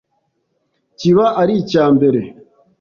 kiba ari icya mbere